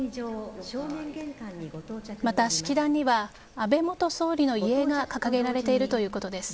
また、式壇には安倍元総理の遺影が掲げられているということです。